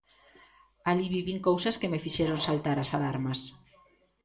Alí vivín cousas que me fixeron saltar as alarmas.